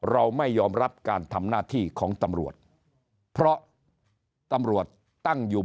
เราไม่ยอมรับการทำหน้าที่ของตำรวจเพราะตำรวจตั้งอยู่